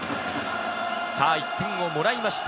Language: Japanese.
さぁ１点をもらいました。